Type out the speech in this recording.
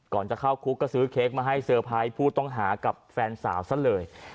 จะเข้าคุกก็ซื้อเค้กมาให้เตอร์ไพรส์ผู้ต้องหากับแฟนสาวซะเลย